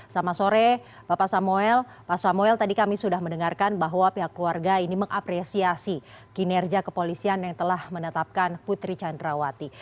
sama sore bapak samuel pak samuel tadi kami sudah mendengarkan bahwa pihak keluarga ini mengapresiasi kinerja kepolisian yang telah menetapkan putri candrawati